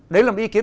đấy là một ý kiến